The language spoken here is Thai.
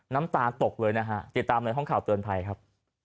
น้ำตาลตกเลยนะฮะติดตามในห้องข่าวเตือนภัยครับ